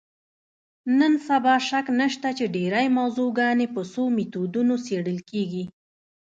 نن سبا شک نشته چې ډېری موضوعګانې په څو میتودونو څېړل کېږي.